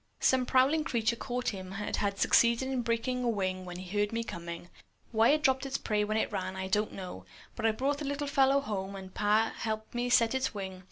Some prowling creature caught him and had succeeded in breaking a wing when it heard me coming. Why it dropped its prey when it ran, I don't know, but I brought the little fellow home and Pap helped me set its wing.